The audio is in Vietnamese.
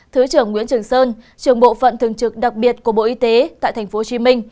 thứ trưởng nguyễn trường sơn trưởng bộ phận thường trực đặc biệt của bộ y tế tại tp hcm